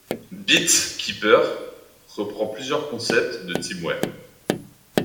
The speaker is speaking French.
BitKeeper reprend plusieurs concepts de TeamWare.